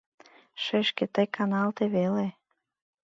— Шешке, тый каналте веле.